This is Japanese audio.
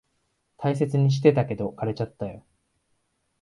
大切にしてたけど、枯れちゃったよ。